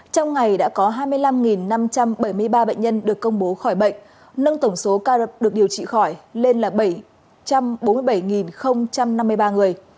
trong ngày đã có hai mươi năm năm trăm bảy mươi ba bệnh nhân được công bố khỏi bệnh nâng tổng số ca được điều trị khỏi lên là bảy trăm bốn mươi bảy năm mươi ba người